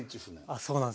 あそうなんですね。